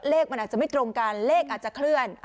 เลขมันอาจจะไม่ตรงกันเลขอาจจะเคลื่อน